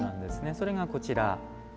それがこちら。